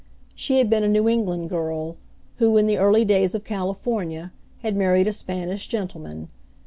She had been a New England girl, who, in the early days of California, had married a Spanish gentleman.